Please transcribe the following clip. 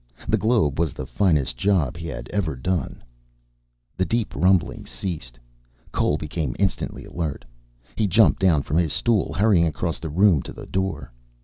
The globe was the finest job he had ever done. The deep rumblings ceased. Cole became instantly alert. He jumped down from his stool, hurrying across the room to the door.